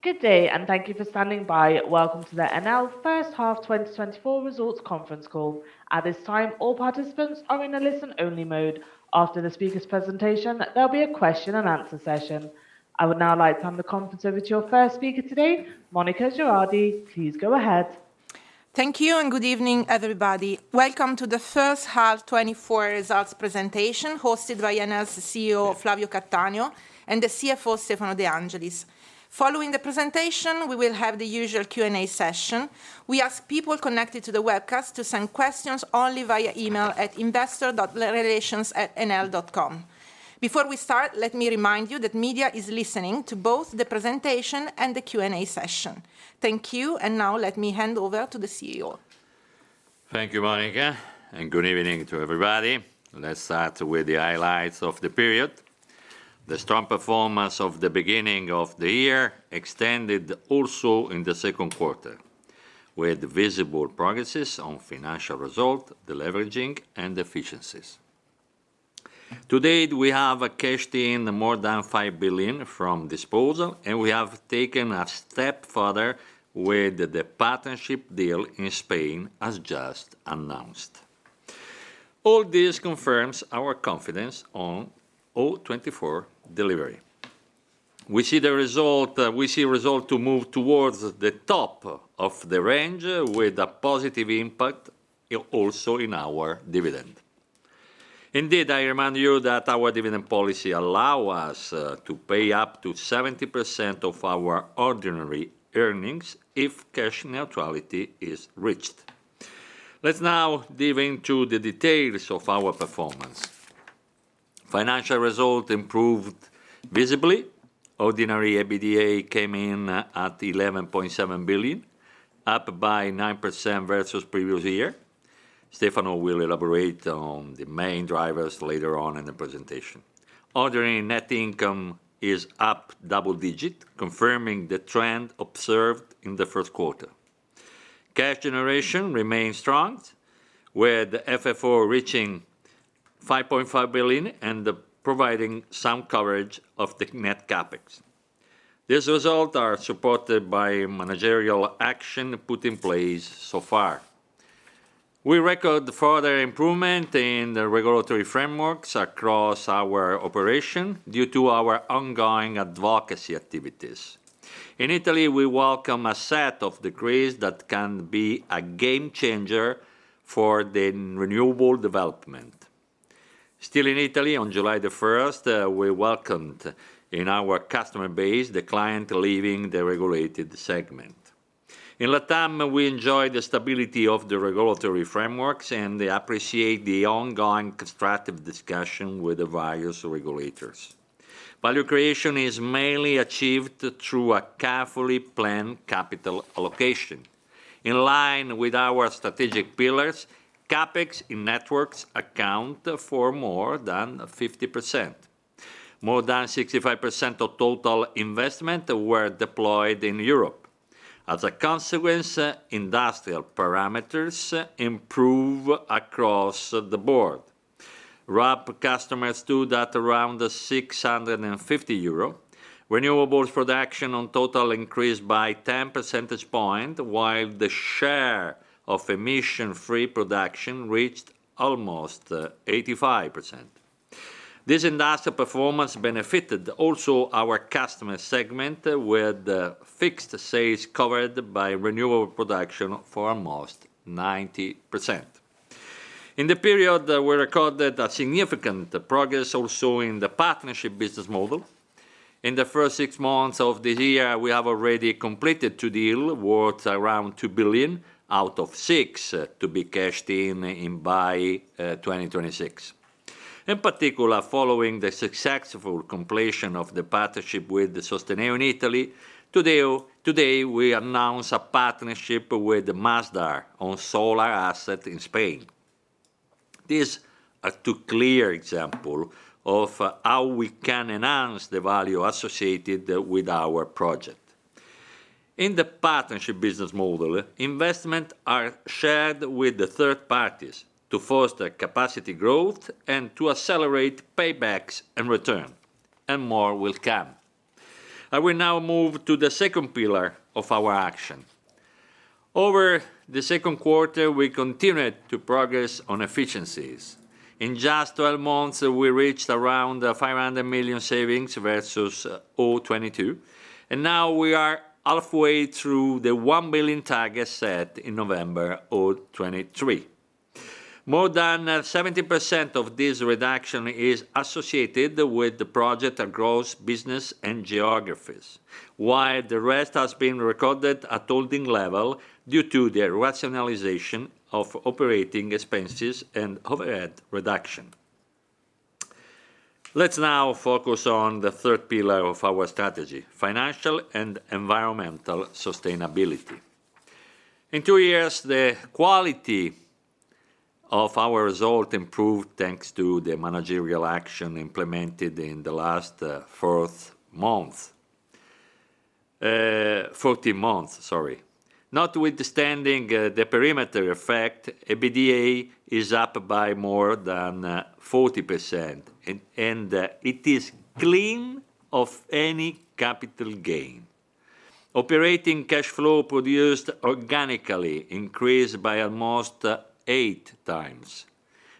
Good day, and thank you for standing by. Welcome to the Enel First Half 2024 Results Conference Call. At this time, all participants are in a listen-only mode. After the speaker's presentation, there'll be a question-and-answer session. I would now like to hand the conference over to your first speaker today, Monica Girardi. Please go ahead. Thank you, and good evening, everybody. Welcome to the First Half 2024 Results Presentation, hosted by Enel's CEO, Flavio Cattaneo, and the CFO, Stefano De Angelis. Following the presentation, we will have the usual Q&A session. We ask people connected to the webcast to send questions only via email at investor.relations@enel.com. Before we start, let me remind you that media is listening to both the presentation and the Q&A session. Thank you, and now let me hand over to the CEO. Thank you, Monica, and good evening to everybody. Let's start with the highlights of the period. The strong performance of the beginning of the year extended also in the second quarter, with visible progress on financial results, the leverage, and efficiencies. To date, we have cashed in more than 5 billion from disposal, and we have taken a step further with the partnership deal in Spain, as just announced. All this confirms our confidence on 2024 delivery. We see the result; we see results to move towards the top of the range with a positive impact also in our dividend. Indeed, I remind you that our dividend policy allows us to pay up to 70% of our ordinary earnings if cash neutrality is reached. Let's now dig into the details of our performance. Financial results improved visibly. Ordinary EBITDA came in at 11.7 billion, up by 9% versus the previous year. Stefano will elaborate on the main drivers later on in the presentation. Ordinary net income is up double-digit, confirming the trend observed in the first quarter. Cash generation remains strong, with FFO reaching 5.5 billion and providing some coverage of the net capex. These results are supported by managerial action put in place so far. We record further improvement in the regulatory frameworks across our operations due to our ongoing advocacy activities. In Italy, we welcome a set of decrees that can be a game changer for the renewable development. Still in Italy, on July the 1st, we welcomed in our customer base the client leaving the regulated segment. In LATAM, we enjoy the stability of the regulatory frameworks and appreciate the ongoing constructive discussion with the various regulators. Value creation is mainly achieved through a carefully planned capital allocation. In line with our strategic pillars, CapEx in networks account for more than 50%. More than 65% of total investment were deployed in Europe. As a consequence, industrial parameters improve across the board. RAB customers stood at around 650 euro. Renewables production on total increased by 10 percentage points, while the share of emission-free production reached almost 85%. This industrial performance benefited also our customer segment, with fixed sales covered by renewable production for almost 90%. In the period, we recorded significant progress also in the partnership business model. In the first six months of this year, we have already completed two deals worth around 2 billion, out of six to be cashed in by 2026. In particular, following the successful completion of the partnership with Sosteneo in Italy, today we announce a partnership with Masdar on solar assets in Spain. These are two clear examples of how we can enhance the value associated with our project. In the partnership business model, investments are shared with third parties to foster capacity growth and to accelerate paybacks and return, and more will come. I will now move to the second pillar of our action. Over the second quarter, we continued to progress on efficiencies. In just 12 months, we reached around 500 million savings versus 2022, and now we are halfway through the 1 billion target set in November 2023. More than 70% of this reduction is associated with the project across business and geographies, while the rest has been recorded at holding level due to the rationalization of operating expenses and overhead reduction. Let's now focus on the third pillar of our strategy: financial and environmental sustainability. In two years, the quality of our result improved thanks to the managerial action implemented in the last four months. Notwithstanding the perimeter effect, EBITDA is up by more than 40%, and it is clean of any capital gain. Operating cash flow produced organically increased by almost eight times.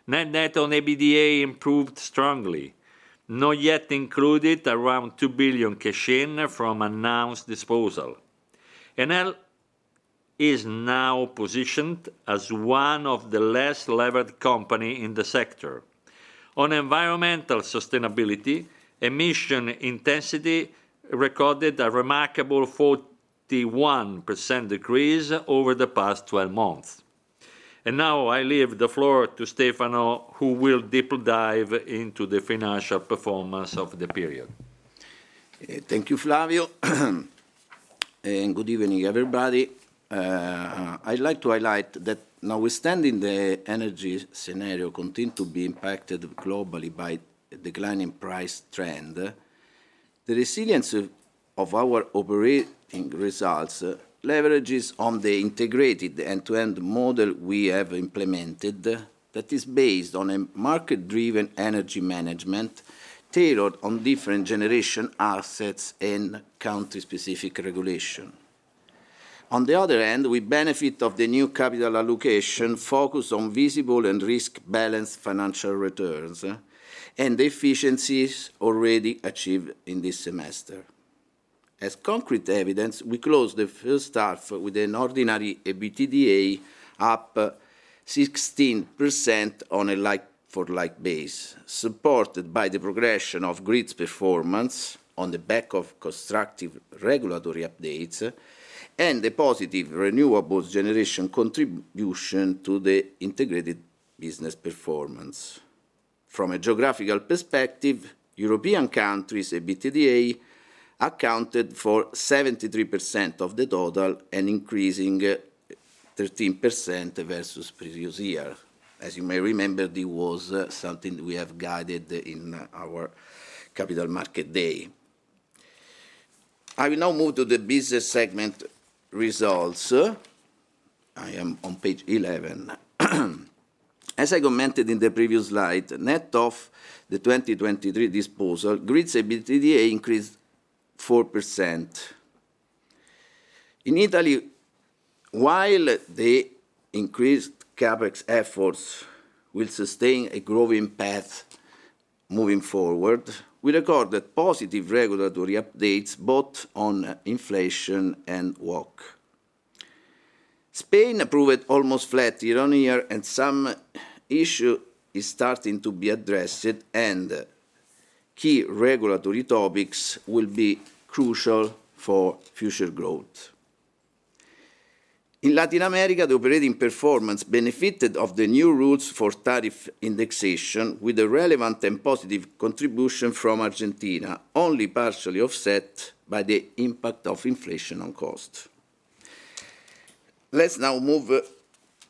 Net debt to EBITDA improved strongly, not yet included around 2 billion cash in from announced disposal. Enel is now positioned as one of the less levered companies in the sector. On environmental sustainability, emission intensity recorded a remarkable 41% decrease over the past 12 months. Now I leave the floor to Stefano, who will deeply dive into the financial performance of the period. Thank you, Flavio, and good evening, everybody. I'd like to highlight that now we stand in the energy scenario continue to be impacted globally by a declining price trend. The resilience of our operating results leverages on the integrated end-to-end model we have implemented that is based on a market-driven energy management tailored on different generation assets and country-specific regulation. On the other hand, we benefit from the new capital allocation focused on visible and risk-balanced financial returns and efficiencies already achieved in this semester. As concrete evidence, we closed the first half with an ordinary EBITDA up 16% on a like-for-like base, supported by the progression of grid performance on the back of constructive regulatory updates and a positive renewables generation contribution to the integrated business performance. From a geographical perspective, European countries' EBITDA accounted for 73% of the total and increasing 13% versus the previous year. As you may remember, this was something we have guided in our Capital Markets Day. I will now move to the business segment results. I am on page 11. As I commented in the previous slide, net of the 2023 disposal, grid's EBITDA increased 4%. In Italy, while the increased CapEx efforts will sustain a growing path moving forward, we recorded positive regulatory updates both on inflation and WACC. Spain approved almost flat year-over-year, and some issues are starting to be addressed, and key regulatory topics will be crucial for future growth. In Latin America, the operating performance benefited from the new rules for tariff indexation, with a relevant and positive contribution from Argentina, only partially offset by the impact of inflation on cost. Let's now move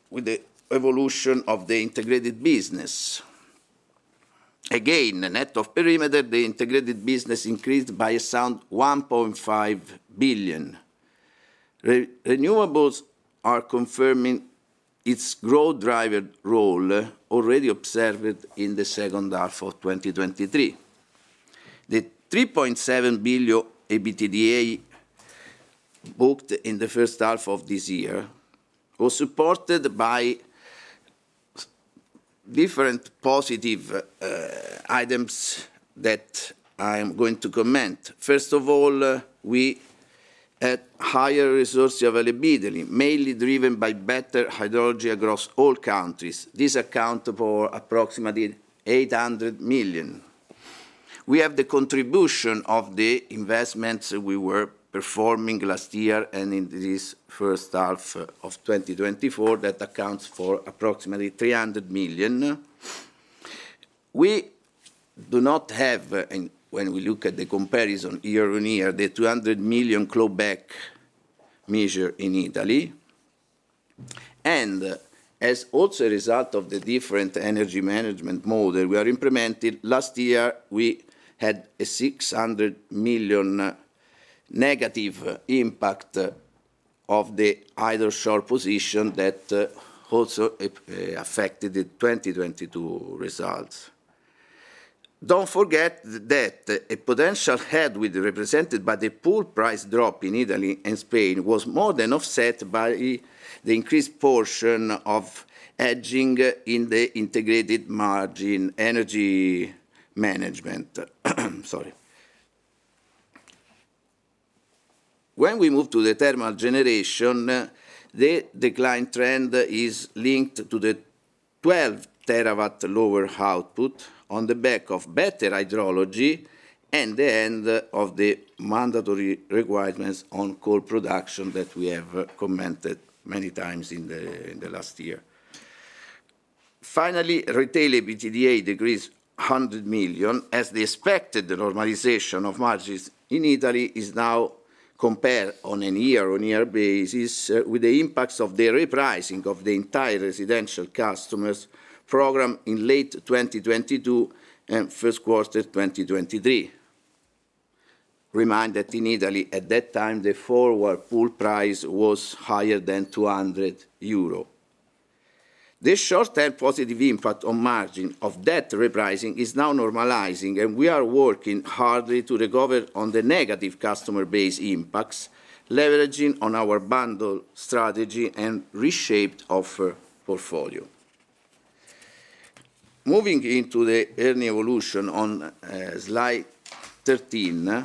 with the evolution of the integrated business. Again, net of perimeter, the integrated business increased by a sound 1.5 billion. Renewables are confirming its growth-driver role already observed in the second half of 2023. The 3.7 billion EBITDA booked in the first half of this year was supported by different positive items that I am going to comment. First of all, we had higher resource availability, mainly driven by better hydrology across all countries. This accounts for approximately 800 million. We have the contribution of the investments we were performing last year and in this first half of 2024 that accounts for approximately 300 million. We do not have, when we look at the comparison year-on-year, the 200 million clawback measure in Italy. And as also a result of the different energy management model we are implementing, last year we had a 600 million negative impact of the open short position that also affected the 2022 results. Don't forget that a potential headwind represented by the pool price drop in Italy and Spain was more than offset by the increased portion of hedging in the integrated margin energy management. When we move to the thermal generation, the decline trend is linked to the 12 terawatt lower output on the back of better hydrology and the end of the mandatory requirements on coal production that we have commented many times in the last year. Finally, retail EBITDA decreased 100 million, as the expected normalization of margins in Italy is now compared on a year-on-year basis with the impacts of the repricing of the entire residential customers program in late 2022 and first quarter 2023. Remind that in Italy, at that time, the forward pool price was higher than 200 euro. This short-term positive impact on margin of that repricing is now normalizing, and we are working harder to recover on the negative customer base impacts, leveraging on our bundle strategy and reshaped offer portfolio. Moving into the earnings evolution on slide 13,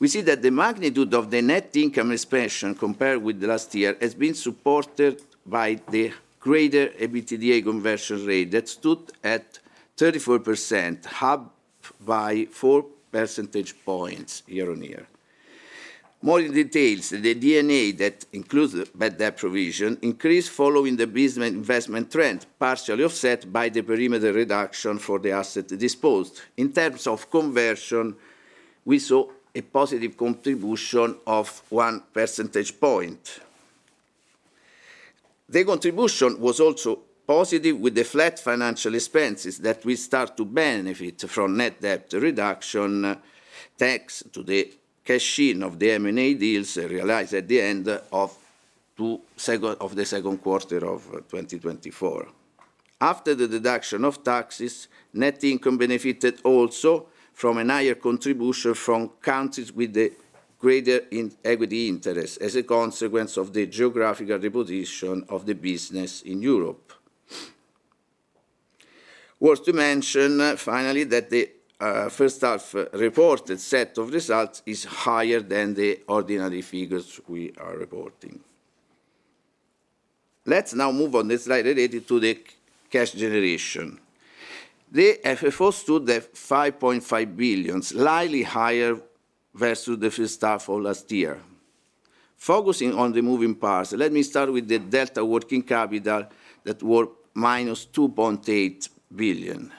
we see that the magnitude of the net income expansion compared with last year has been supported by the greater EBITDA conversion rate that stood at 34%, up by 4 percentage points year-over-year. More details: the D&A that includes the Bad Debt Provision increased following the business investment trend, partially offset by the perimeter reduction for the asset disposed. In terms of conversion, we saw a positive contribution of 1 percentage point. The contribution was also positive with the flat financial expenses that we start to benefit from net debt reduction thanks to the cash in of the M&A deals realized at the end of the second quarter of 2024. After the deduction of taxes, net income benefited also from a higher contribution from countries with the greater equity interest as a consequence of the geographic repatriation of the business in Europe. Worth mentioning, finally, that the first half reported set of results is higher than the ordinary figures we are reporting. Let's now move on the slide related to the cash generation. The FFO stood at 5.5 billion, slightly higher versus the first half of last year. Focusing on the moving parts, let me start with the delta working capital that were minus 2.8 billion.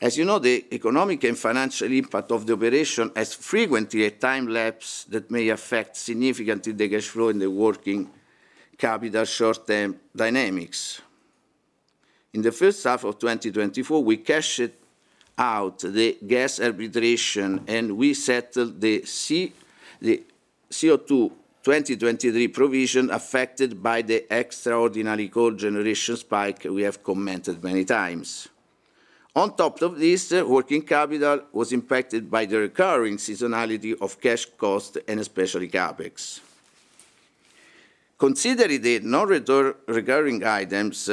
As you know, the economic and financial impact of the operation has frequently a time lapse that may affect significantly the cash flow in the working capital short-term dynamics. In the first half of 2024, we cashed out the gas arbitration and we settled the CO2 2023 provision affected by the extraordinary coal generation spike we have commented many times. On top of this, working capital was impacted by the recurring seasonality of cash cost and especially CapEx. Considering the non-recurring items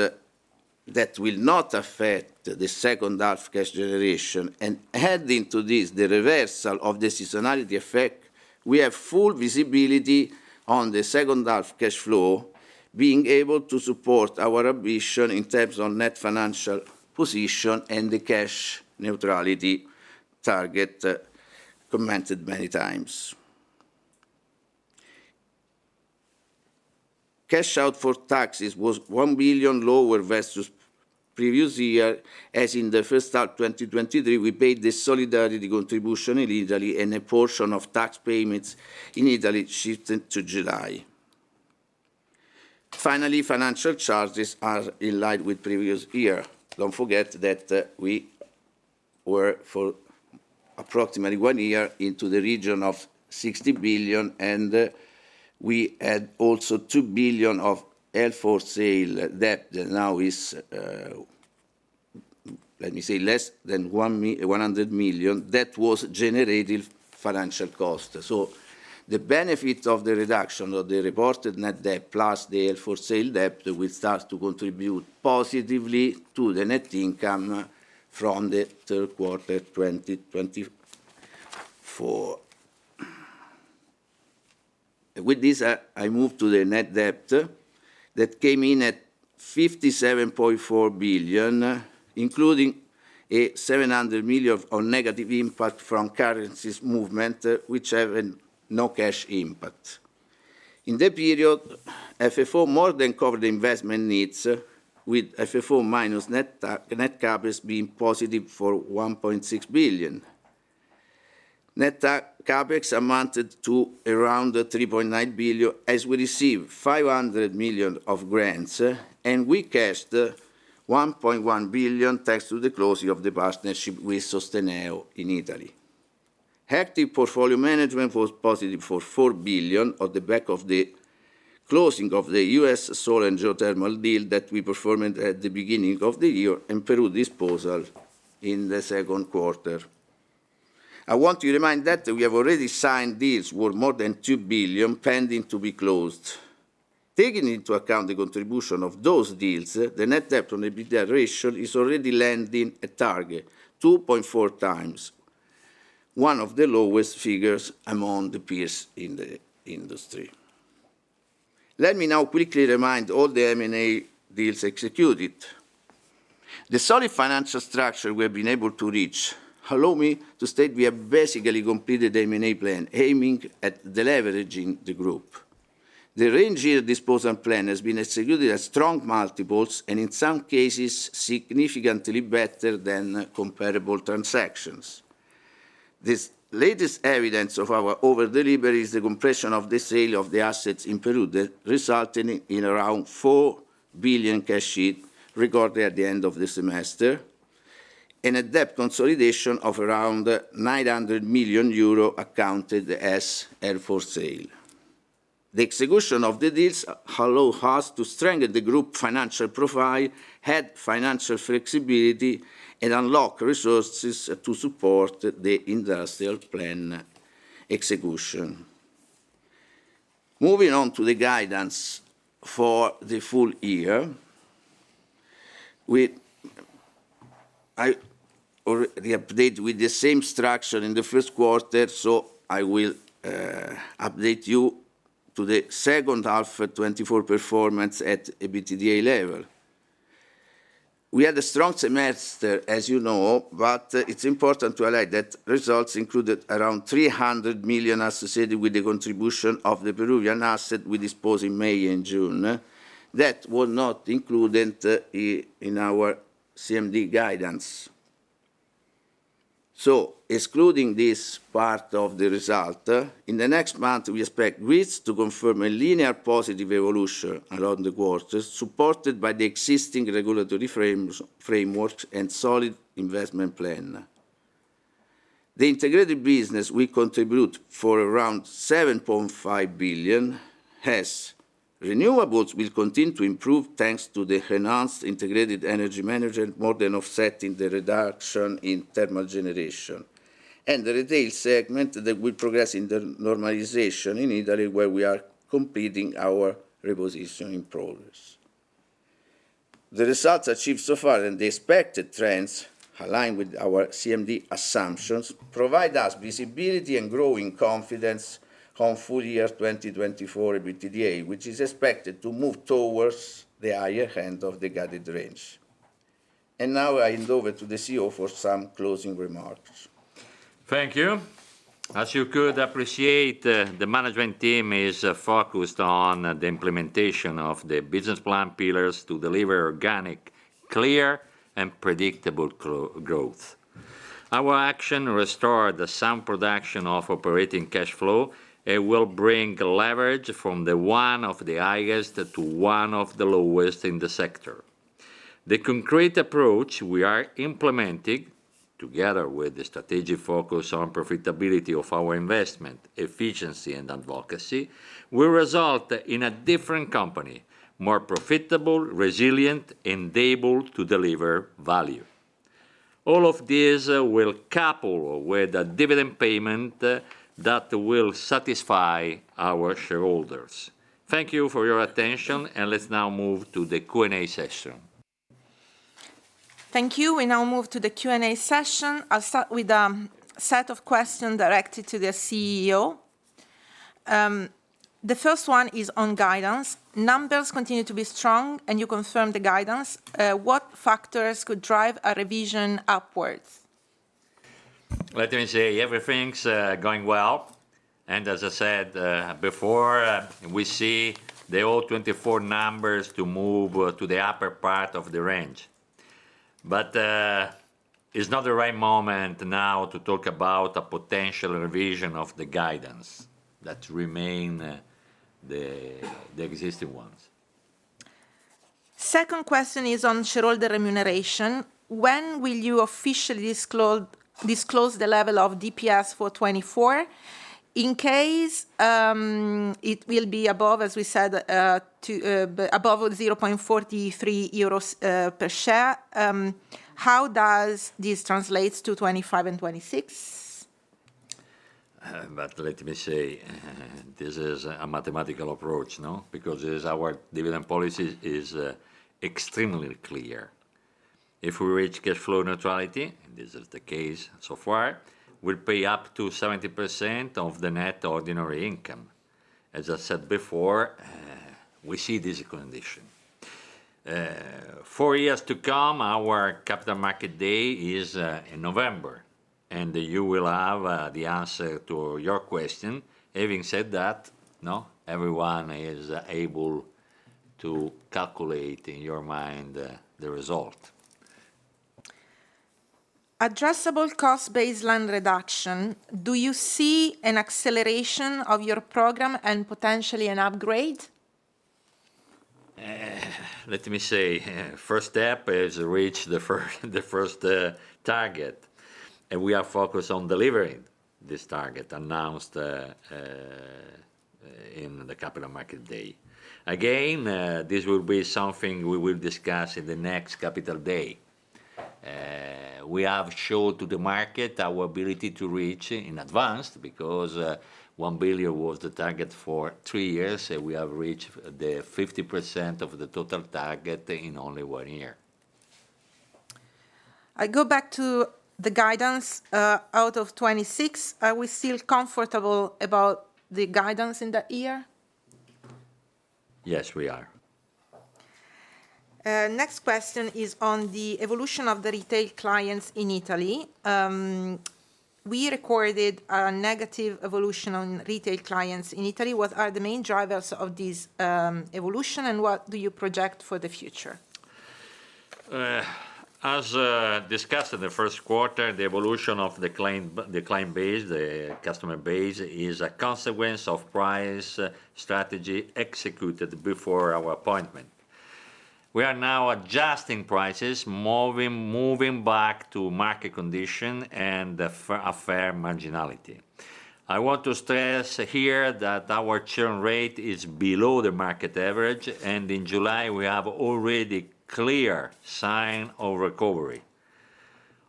that will not affect the second half cash generation and adding to this the reversal of the seasonality effect, we have full visibility on the second half cash flow being able to support our ambition in terms of net financial position and the cash neutrality target commented many times. Cash out for taxes was €1 billion lower versus the previous year, as in the first half 2023, we paid the solidarity contribution in Italy and a portion of tax payments in Italy shifted to July. Finally, financial charges are in line with the previous year. Don't forget that we were for approximately one year in the region of €60 billion and we had also €2 billion of held-for-sale debt that now is, let me say, less than €100 million that was generated financial cost. So the benefit of the reduction of the reported net debt plus the held-for-sale debt will start to contribute positively to the net income from the third quarter 2024. With this, I move to the net debt that came in at €57.4 billion, including a €700 million of negative impact from currency movement, which has no cash impact. In the period, FFO more than covered the investment needs, with FFO minus net capex being positive for 1.6 billion. Net capex amounted to around 3.9 billion as we received 500 million of grants and we cashed 1.1 billion thanks to the closing of the partnership with Sosteneo in Italy. Active portfolio management was positive for 4 billion on the back of the closing of the U.S. solar and geothermal deal that we performed at the beginning of the year and Peru disposal in the second quarter. I want to remind that we have already signed deals worth more than 2 billion pending to be closed. Taking into account the contribution of those deals, the net debt on EBITDA ratio is already landing a target, 2.4x, one of the lowest figures among the peers in the industry. Let me now quickly remind all the M&A deals executed. The solid financial structure we have been able to reach allowed me to state we have basically completed the M&A plan aiming at leveraging the group. The three-year disposal plan has been executed at strong multiples and in some cases significantly better than comparable transactions. The latest evidence of our over-delivery is the completion of the sale of the assets in Peru resulting in around 4 billion cash proceeds recorded at the end of the semester and a debt consolidation of around 900 million euro accounted as held for sale. The execution of the deals allows us to strengthen the group financial profile, add financial flexibility, and unlock resources to support the industrial plan execution. Moving on to the guidance for the full year, I already updated with the same structure in the first quarter, so I will update you to the second half 2024 performance at EBITDA level. We had a strong semester, as you know, but it's important to highlight that results included around 300 million associated with the contribution of the Peruvian asset we disposed in May and June. That was not included in our CMD guidance. Excluding this part of the result, in the next month, we expect grids to confirm a linear positive evolution around the quarter supported by the existing regulatory framework and solid investment plan. The integrated business will contribute for around 7.5 billion. Renewables will continue to improve thanks to the enhanced integrated energy management, more than offsetting the reduction in thermal generation. The retail segment will progress in the normalization in Italy, where we are completing our repositioning progress. The results achieved so far and the expected trends align with our CMD assumptions, provide us visibility and growing confidence on full year 2024 EBITDA, which is expected to move towards the higher end of the guided range. And now I hand over to the CEO for some closing remarks. Thank you. As you could appreciate, the management team is focused on the implementation of the business plan pillars to deliver organic, clear, and predictable growth. Our action restores the sound production of operating cash flow and will bring leverage from the one of the highest to one of the lowest in the sector. The concrete approach we are implementing, together with the strategic focus on profitability of our investment, efficiency, and advocacy, will result in a different company, more profitable, resilient, and able to deliver value. All of these will couple with a dividend payment that will satisfy our shareholders. Thank you for your attention, and let's now move to the Q&A session. Thank you. We now move to the Q&A session. I'll start with a set of questions directed to the CEO. The first one is on guidance. Numbers continue to be strong, and you confirmed the guidance. What factors could drive a revision upwards? Let me say everything's going well. And as I said before, we see the old 2024 numbers to move to the upper part of the range. But it's not the right moment now to talk about a potential revision of the guidance that remain the existing ones. Second question is on shareholder remuneration. When will you officially disclose the level of DPS for 2024? In case it will be above, as we said, above €0.43 per share, how does this translate to 2025 and 2026? But let me say this is a mathematical approach, because our dividend policy is extremely clear. If we reach cash flow neutrality, and this is the case so far, we'll pay up to 70% of the net ordinary income. As I said before, we see this condition four years to come. Our Capital Markets Day is in November, and you will have the answer to your question. Having said that, everyone is able to calculate in your mind the result. Addressable cost baseline reduction, do you see an acceleration of your program and potentially an upgrade? Let me say first step is to reach the first target, and we are focused on delivering this target announced in the Capital Markets Day. Again, this will be something we will discuss in the next Capital Markets Day. We have shown to the market our ability to reach in advance because 1 billion was the target for three years, and we have reached the 50% of the total target in only one year. I go back to the guidance out of 2026. Are we still comfortable about the guidance in that year? Yes, we are. Next question is on the evolution of the retail clients in Italy. We recorded a negative evolution on retail clients in Italy. What are the main drivers of this evolution, and what do you project for the future? As discussed in the first quarter, the evolution of the client base, the customer base, is a consequence of price strategy executed before our appointment. We are now adjusting prices, moving back to market condition and a fair marginality. I want to stress here that our churn rate is below the market average, and in July, we have already clear signs of recovery.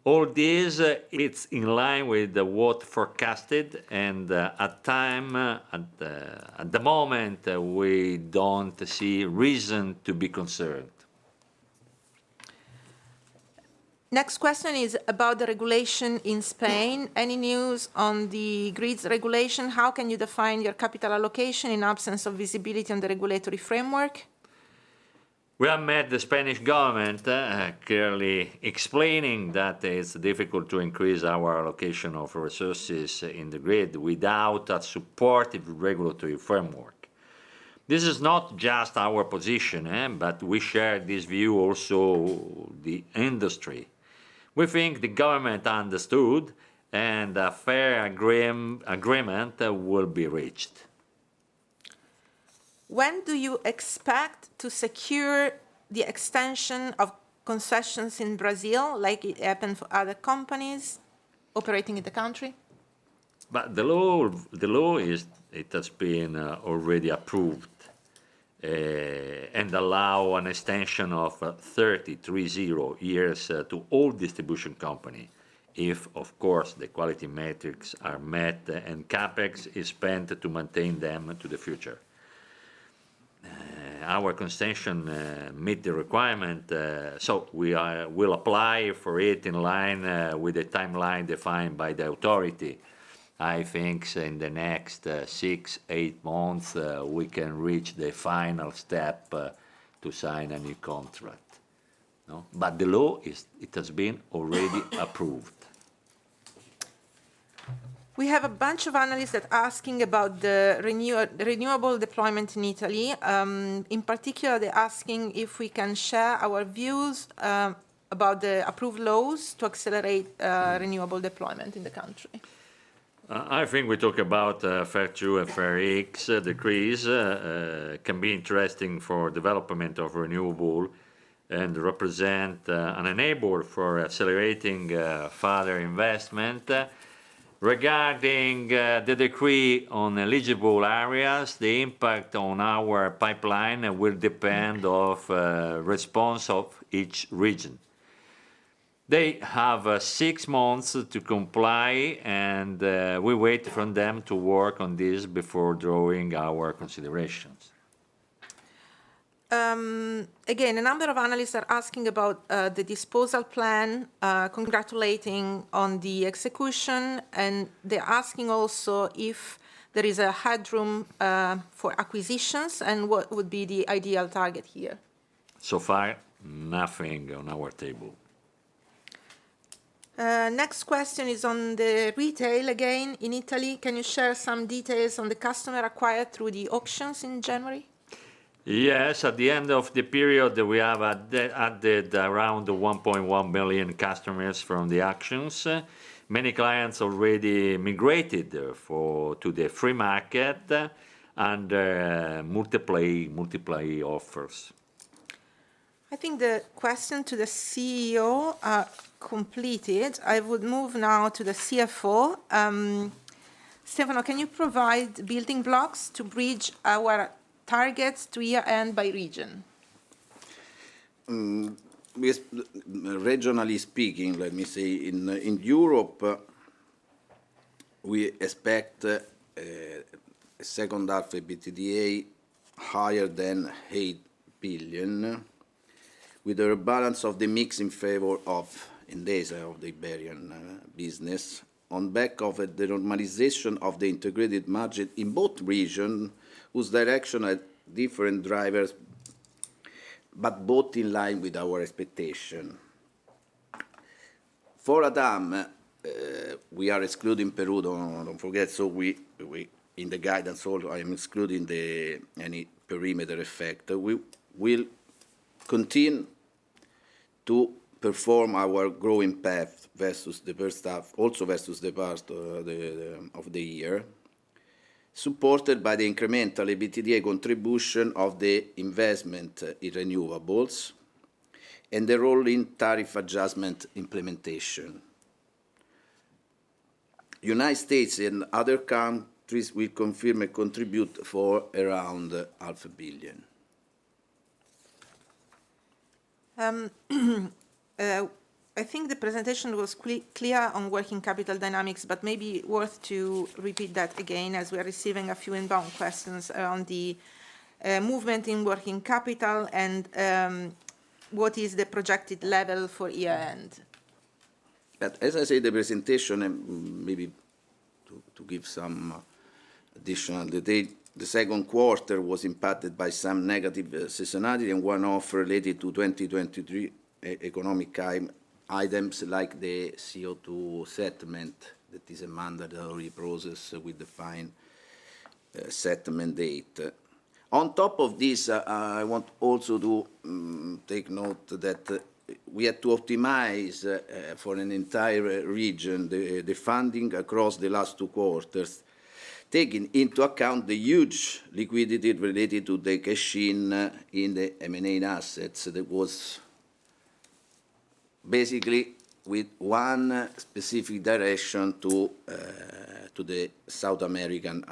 All this is in line with what was forecasted, and at the moment, we don't see reason to be concerned. Next question is about the regulation in Spain. Any news on the grids regulation? How can you define your capital allocation in absence of visibility on the regulatory framework? We have met the Spanish government clearly explaining that it's difficult to increase our allocation of resources in the grid without a supportive regulatory framework. This is not just our position, but we share this view also with the industry. We think the government understood, and a fair agreement will be reached. When do you expect to secure the extension of concessions in Brazil, like it happened for other companies operating in the country? But the law has been already approved and allows an extension of 30 years to all distribution companies if, of course, the quality metrics are met and CapEx is spent to maintain them to the future. Our concession met the requirement, so we will apply for it in line with the timeline defined by the authority. I think in the next 6-8 months, we can reach the final step to sign a new contract. But the law has been already approved. We have a bunch of analysts that are asking about the renewable deployment in Italy. In particular, they're asking if we can share our views about the approved laws to accelerate renewable deployment in the country. I think we talk about FER 2 and FER X decree can be interesting for development of renewable and represent an enabler for accelerating further investment. Regarding the decree on eligible areas, the impact on our pipeline will depend on the response of each region. They have six months to comply, and we wait for them to work on this before drawing our considerations. Again, a number of analysts are asking about the disposal plan, congratulating on the execution, and they're asking also if there is a headroom for acquisitions and what would be the ideal target here. So far, nothing on our table. Next question is on the retail again in Italy. Can you share some details on the customer acquired through the auctions in January? Yes. At the end of the period, we have added around 1.1 million customers from the auctions. Many clients already migrated to the free market and multiple offers. I think the question to the CEO is completed. I would move now to the CFO. Stefano, can you provide building blocks to bridge our targets to year-end by region? Regionally speaking, let me say, in Europe, we expect a second half EBITDA higher than 8 billion, with a rebalance of the mix in favor of the Iberian business on the back of the normalization of the integrated market in both regions, whose direction has different drivers, but both in line with our expectation. For LATAM, we are excluding Peru, don't forget. So in the guidance, I'm excluding any perimeter effect. We will continue to perform our growing path versus the first half, also versus the part of the year, supported by the incremental EBITDA contribution of the investment in renewables and the role in tariff adjustment implementation. The United States and other countries will confirm and contribute for around 0.5 billion. I think the presentation was clear on working capital dynamics, but maybe worth to repeat that again as we are receiving a few inbound questions around the movement in working capital and what is the projected level for year-end. But as I say, the presentation, maybe to give some additional detail, the second quarter was impacted by some negative seasonality and one-off related to 2023 economic items like the CO2 settlement that is a mandatory process with defined settlement date. On top of this, I want also to take note that we had to optimize for an entire region the funding across the last two quarters, taking into account the huge liquidity related to the cash in the M&A assets that was basically with one specific direction to the South American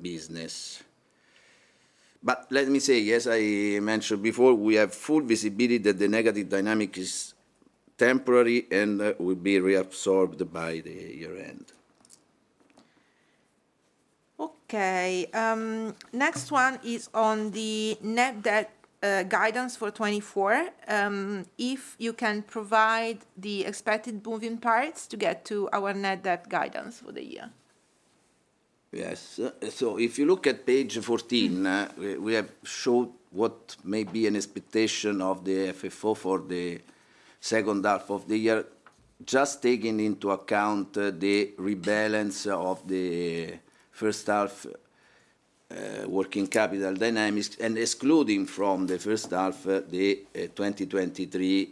business. But let me say, as I mentioned before, we have full visibility that the negative dynamic is temporary and will be reabsorbed by the year-end. Okay. Next one is on the net debt guidance for 2024. If you can provide the expected moving parts to get to our net debt guidance for the year. Yes. So if you look at page 14, we have shown what may be an expectation of the FFO for the second half of the year, just taking into account the rebalance of the first half working capital dynamics and excluding from the first half the 2023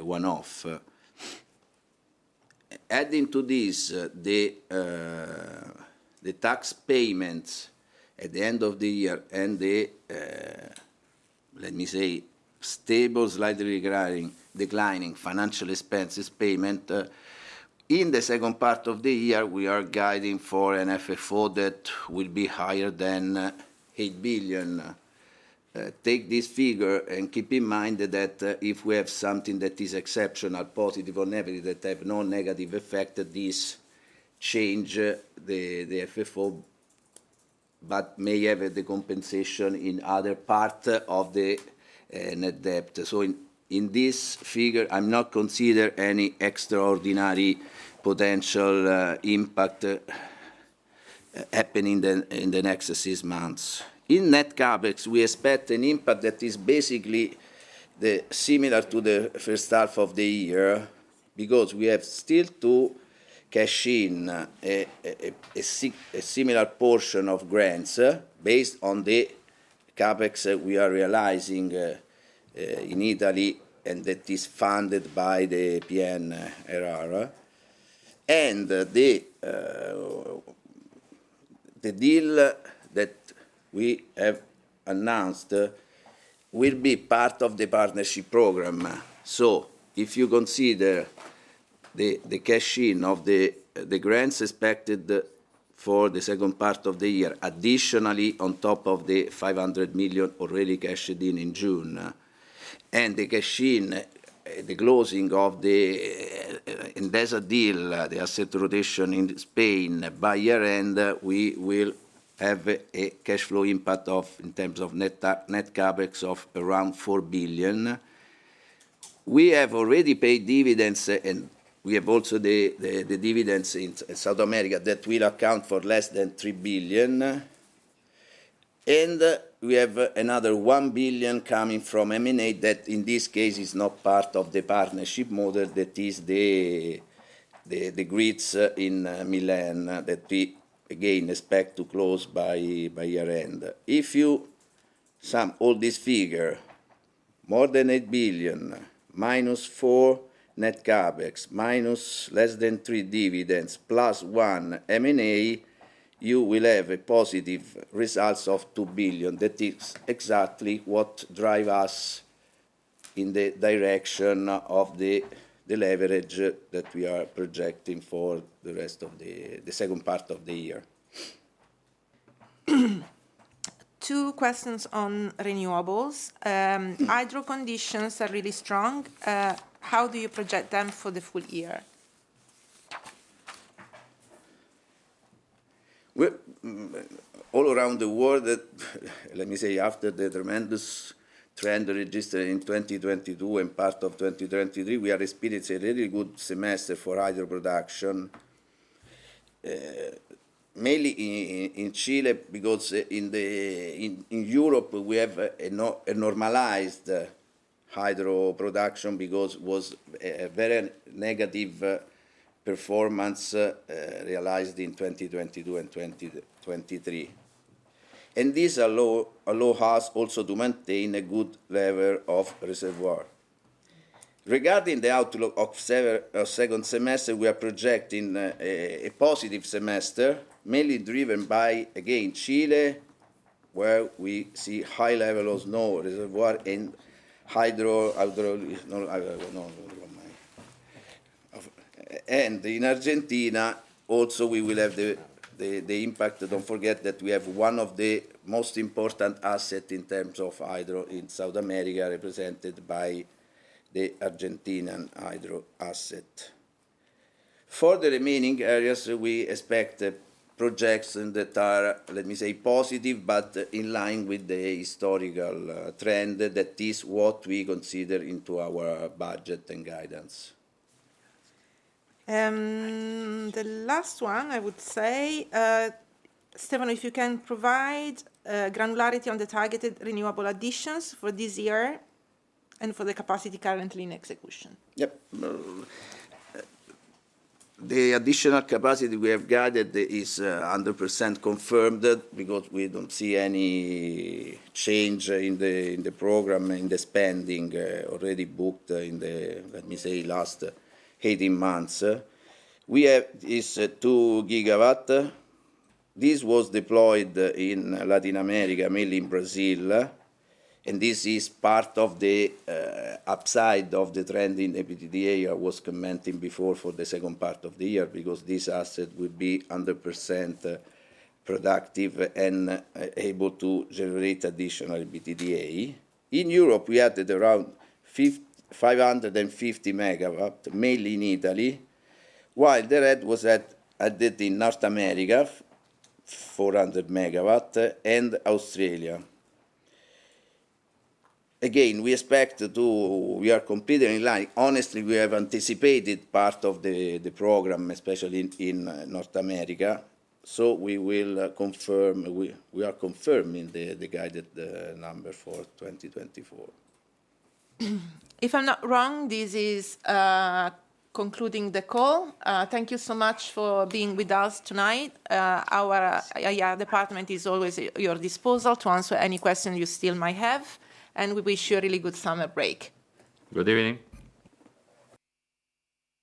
one-off. Adding to this, the tax payments at the end of the year and the, let me say, stable slightly declining financial expenses payment in the second part of the year, we are guiding for an FFO that will be higher than €8 billion. Take this figure and keep in mind that if we have something that is exceptional, positive or negative, that have no negative effect, this changes the FFO, but may have the compensation in other parts of the net debt. So in this figure, I'm not considering any extraordinary potential impact happening in the next six months. In Net Capex, we expect an impact that is basically similar to the first half of the year because we have still to cash in a similar portion of grants based on the Capex that we are realizing in Italy and that is funded by the PNRR. And the deal that we have announced will be part of the partnership program. So if you consider the cash in of the grants expected for the second part of the year, additionally on top of the 500 million already cashed in in June, and the cash in, the closing of the investor deal, the asset rotation in Spain by year-end, we will have a cash flow impact in terms of Net Capex of around 4 billion. We have already paid dividends, and we have also the dividends in South America that will account for less than 3 billion. We have another 1 billion coming from M&A that in this case is not part of the partnership model that is the grids in Milan that we, again, expect to close by year-end. If you sum all this figure, more than 8 billion, minus 4 Net Capex, minus less than 3 dividends, plus 1 M&A, you will have a positive result of 2 billion. That is exactly what drives us in the direction of the leverage that we are projecting for the rest of the second part of the year. Two questions on renewables. Hydro conditions are really strong. How do you project them for the full year? All around the world, let me say, after the tremendous trend registered in 2022 and part of 2023, we are experiencing a really good semester for hydro production, mainly in Chile because in Europe we have a normalized hydro production because it was a very negative performance realized in 2022 and 2023. And this allows us also to maintain a good level of reservoir. Regarding the outlook of the second semester, we are projecting a positive semester, mainly driven by, again, Chile, where we see high levels of snow reservoir and hydro. And in Argentina, also we will have the impact. Don't forget that we have one of the most important assets in terms of hydro in South America, represented by the Argentine hydro asset. For the remaining areas, we expect projects that are, let me say, positive, but in line with the historical trend, that is what we consider into our budget and guidance. The last one, I would say, Stefano, if you can provide granularity on the targeted renewable additions for this year and for the capacity currently in execution? Yep. The additional capacity we have guided is 100% confirmed because we don't see any change in the program, in the spending already booked in the, let me say, last 18 months. We have these 2 GW. This was deployed in Latin America, mainly in Brazil. This is part of the upside of the trend in EBITDA I was commenting before for the second part of the year because this asset will be 100% productive and able to generate additional EBITDA. In Europe, we added around 550 MW, mainly in Italy, while the rest was added in North America, 400 MW, and Australia. Again, we expect to, we are coming in line. Honestly, we have anticipated part of the program, especially in North America. So we will confirm, we are confirming the guided number for 2024. If I'm not wrong, this is concluding the call. Thank you so much for being with us tonight. Our department is always at your disposal to answer any questions you still might have. We wish you a really good summer break. Good evening.